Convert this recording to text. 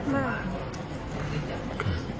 มาก